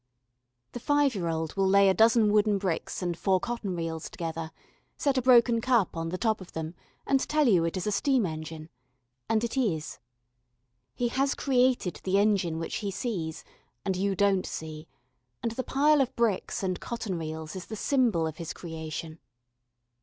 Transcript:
The five year old will lay a dozen wooden bricks and four cotton reels together, set a broken cup on the top of them, and tell you it is a steam engine. And it is. He has created the engine which he sees, and you don't see, and the pile of bricks and cotton reels is the symbol of his creation.